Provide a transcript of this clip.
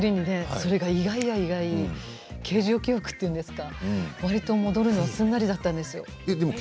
それが意外や意外形状記憶というんですか割と戻るのがすんなりだったんです。